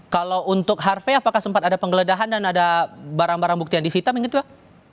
kalau untuk harvey apakah sempat ada penggeledahan dan ada barang barang bukti yang disita begitu pak